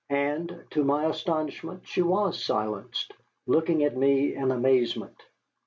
And to my astonishment she was silenced, looking at me in amazement.